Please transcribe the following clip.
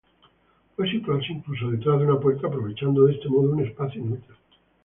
Puede situarse incluso detrás de una puerta aprovechando de este modo un espacio inútil.